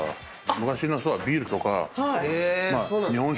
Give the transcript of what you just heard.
昔の人はビールとか日本酒。